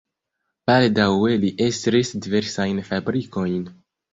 Baldaŭe li estris diversajn fabrikojn.